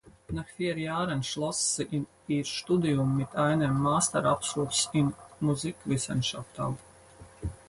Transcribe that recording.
Nach vier Jahren schloss sie ihr Studium mit einem Masterabschluss in Musikwissenschaft ab.